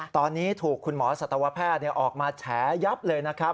ตอนนี้ถูกคุณหมอสัตวแพทย์ออกมาแฉยับเลยนะครับ